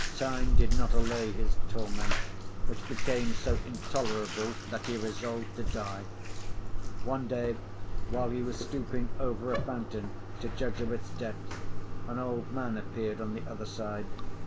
Time did not allay his torment, which became so intolerable that he resolved to die. One day, while he was stooping over a fountain to judge of its depth, an old man appeared on the other side.